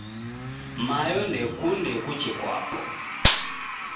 Mayo ndekunde kuche kwapo.